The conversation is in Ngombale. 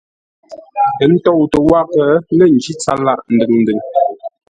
Ə́ tóutə́ wághʼə lə́ ńjí tsâr lâʼ ndʉŋ-ndʉŋ.